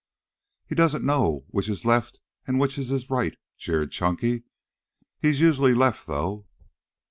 "He doesn't know which is his left and which is his right," jeered Chunky. "He's usually left, though."